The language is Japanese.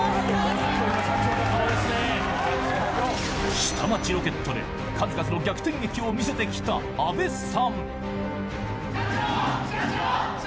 「下町ロケット」で数々の逆転劇を見せてきた阿部さん。